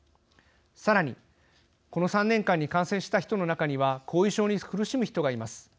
さらに、この３年間に感染した人の中には後遺症に苦しむ人がいます。